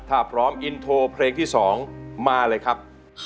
ถ้าพร้อมอินโทรเพลงที่๒มาเลยครับ